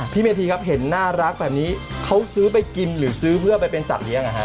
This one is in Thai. เมธีครับเห็นน่ารักแบบนี้เขาซื้อไปกินหรือซื้อเพื่อไปเป็นสัตว์